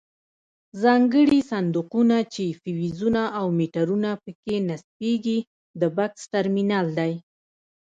ځانګړي صندوقونه چې فیوزونه او میټرونه پکې نصبیږي د بکس ټرمینل دی.